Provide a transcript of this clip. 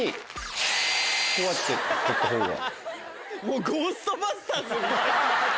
こうやって取った方が。